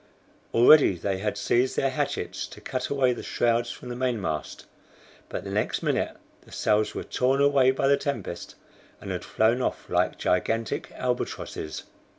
Already they had seized their hatchets to cut away the shrouds from the mainmast, but the next minute the sails were torn away by the tempest, and had flown off like gigantic albatrosses.